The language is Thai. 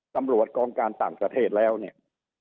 กองการต่างประเทศแล้วเนี่ย